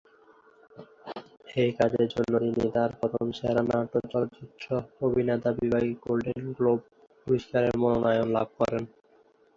এই কাজের জন্য তিনি তার প্রথম সেরা নাট্য চলচ্চিত্র অভিনেতা বিভাগে গোল্ডেন গ্লোব পুরস্কারের মনোনয়ন লাভ করেন।